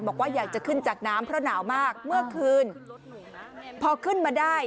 บอกว่าอยากจะขึ้นจากน้ำเพราะหนาวมากเมื่อคืนพอขึ้นมาได้